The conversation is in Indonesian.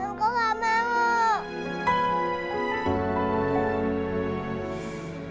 aku gak mau